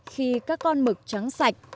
khi các con mực trắng sạch